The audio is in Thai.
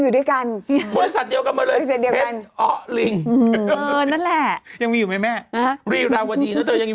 สื่อเธอเรียกในเพชรเออทำไมต้องเป็นนาย